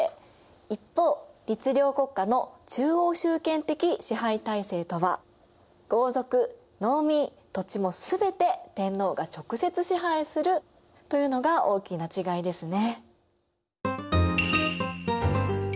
一方律令国家の中央集権的支配体制とは豪族・農民・土地も全て天皇が直接支配するというのが大きな違いですね。